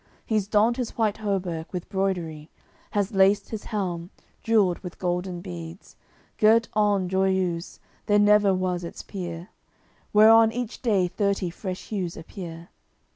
He's donned his white hauberk, with broidery, Has laced his helm, jewelled with golden beads, Girt on Joiuse, there never was its peer, Whereon each day thirty fresh hues appear.